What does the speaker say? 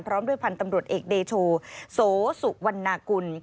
พร้อมด้วยพันธ์ตำรวจเอกเดโชโสสุวรรณากุล